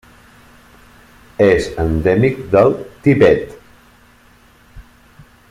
És endèmic del Tibet.